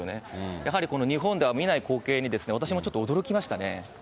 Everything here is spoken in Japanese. やはりこの日本では見ない光景に、私もちょっと驚きましたね。